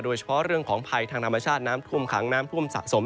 โดยเฉพาะเรื่องของภัยทางธรรมชาติน้ำท่วมขังน้ำท่วมสะสม